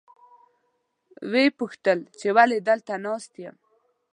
ویې پوښتل چې ولې دلته ناست یم.